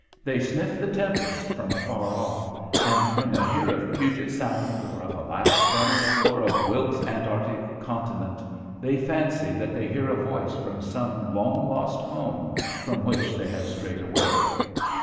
They sniff the tempest from afar off; and when they hear of Puget Sound, or of Alaska, or of Wilkes's Antarctic Continent, they fancy that they hear a voice from some long lost home, from which they have strayed away.